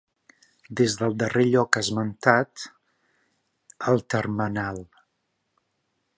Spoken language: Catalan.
Des del darrer lloc esmentat, el termenal.